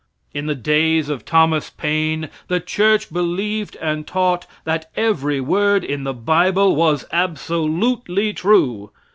In the days of Thomas Paine the church believed and taught that every word in the bible was absolutely true.